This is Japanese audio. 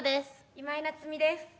今井菜津美です。